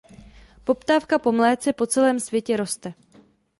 Poptávka po mléce po celém světě roste.